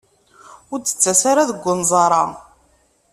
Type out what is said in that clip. Ur d-ttas ara deg unẓar-a.